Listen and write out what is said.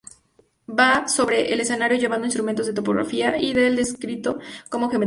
Va sobre el escenario llevando instrumentos de topografía y es descrito como un geómetra.